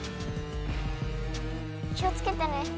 気をつけてね。